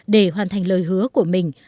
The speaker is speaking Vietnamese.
để hoàn thành lời hứa của mình